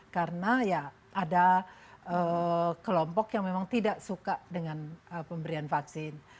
karena ya ada kelompok yang memang tidak suka dengan pemberian vaksin